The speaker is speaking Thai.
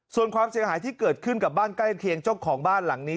ส่วนความเสียหายที่เกิดขึ้นกับบ้านใกล้เคียงเจ้าของบ้านหลังนี้